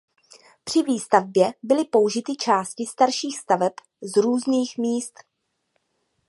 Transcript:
Při výstavbě byly použity části starších staveb z různých míst.